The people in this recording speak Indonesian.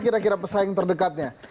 kira kira pesaing terdekatnya